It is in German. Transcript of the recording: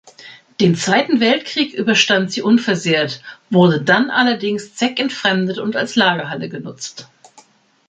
Den Zweiten Weltkrieg überstand sie unversehrt, wurde dann allerdings zweckentfremdet und als Lagerhalle genutzt.